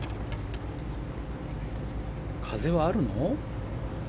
風はあるの？